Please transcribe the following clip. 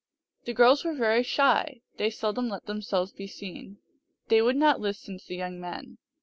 The girls were very shy. They seldom let themselves be seen. They would not listen to the young men.